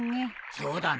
そうだな。